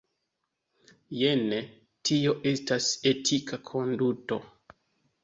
Jen tio estas etika konduto.